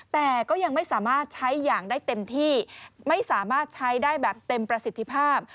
แต่ก็ยังไม่สามารถใช้อย่างได้เต็มที่ไม่สามารถใช้ได้แบบเต็มประสิทธิภาพ